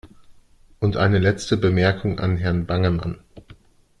Und eine letzte Bemerkung an Herrn Bangemann.